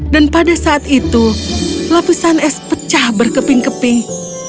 dan pada saat itu lapisan es pecah berkeping keping